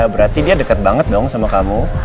berarti dia deket banget dong sama kamu